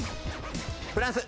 フランス。